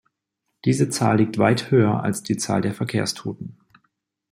Diese Zahl liegt weit höher als die Zahl der Verkehrstoten.